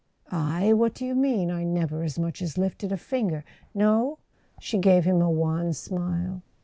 "I—I? What do you mean? I never as much as lifted a finger " "No?" She gave him a wan smile.